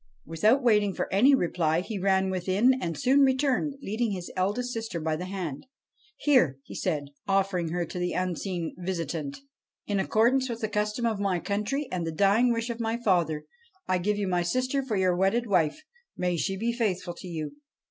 Without waiting for any reply he ran within, and soon returned, leading his eldest sister by the hand. ' Here,' said he, ' offering her to the unseen visitant, ' in accord ance with the custom of my country and the dying wish of my father, I give you my sister for your wedded wife. May she be faithful to you.'